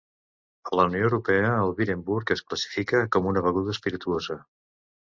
A la Unió Europea, el Beerenburg es classifica com una beguda espirituosa.